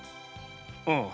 うん？